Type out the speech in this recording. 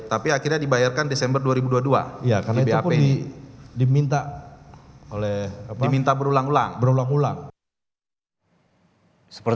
tapi akhirnya dibayarkan desember dua ribu dua puluh dua